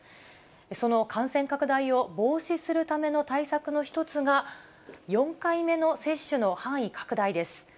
その感染拡大を防止するための対策の一つが、４回目の接種の範囲拡大です。